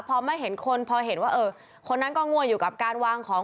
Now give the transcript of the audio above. พอไม่เห็นคนพอเห็นว่าเออคนนั้นก็งั่วอยู่กับการวางของ